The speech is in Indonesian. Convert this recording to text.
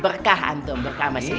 berkah antum berkah mba senior ya